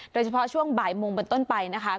โดยเฉพาะช่วงบ่ายโมงเป็นต้นไปนะคะ